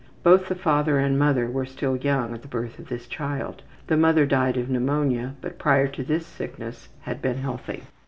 Both the father and mother were still young at the birth of this child. The mother died of pneumonia, but prior to this sickness had been healthy.